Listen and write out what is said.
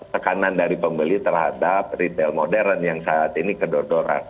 tekanan dari pembeli terhadap retail modern yang saat ini kedor doran